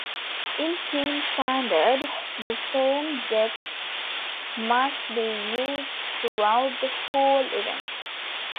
In Team Standard, the same decks must be used throughout the whole event.